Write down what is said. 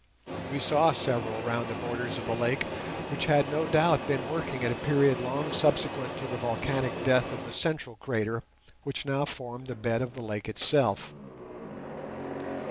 We saw several round the borders of the lake which had no doubt been working at a period long subsequent to the volcanic death of the central crater which now formed the bed of the lake itself.